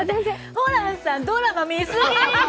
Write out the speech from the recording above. ホランさん、ドラマ見すぎ！